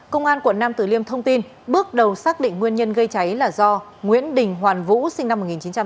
công an quận nam tử liêm thông tin bước đầu xác định nguyên nhân gây cháy là do nguyễn đình hoàn vũ sinh năm một nghìn chín trăm tám mươi